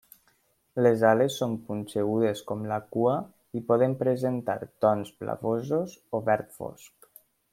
Les ales són punxegudes, com la cua, i poden presentar tons blavosos o verd fosc.